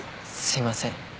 すいません。